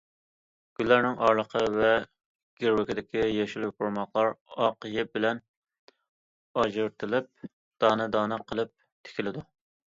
گۈللەرنىڭ ئارىلىقى ۋە گىرۋىكىدىكى يېشىل يوپۇرماقلار ئاق يىپ بىلەن ئاجرىتىلىپ دانە- دانە قىلىپ تىكىلىدۇ.